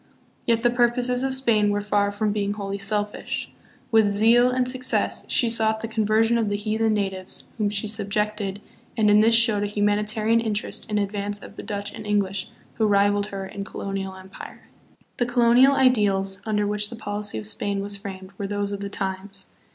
Yet the purposes of Spain were far from being wholly selfish. With zeal and success she sought the conversion of the heathen natives, whom she subjected, and in this showed a humanitarian interest in advance of the Dutch and Eng lish, who rivaled her in colonial empire. 114 THE PHILIPPINES. The colonial ideals under which the policy of Spain was framed were those of the times.